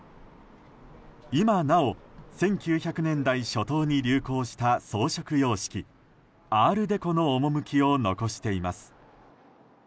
今なお１９００年代初頭に流行した装飾様式、アール・デコの趣を残しています。